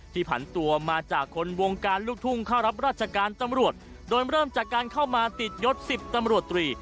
ผันตัวมาจากคนวงการลูกทุ่งเข้ารับราชการตำรวจโดยเริ่มจากการเข้ามาติดยศ๑๐ตำรวจตรี